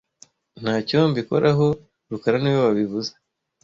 Ntacyo mbikoraho rukara niwe wabivuze